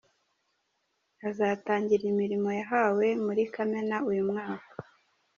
Azatangira imirimo yahawe muri Kamena uyu mwaka.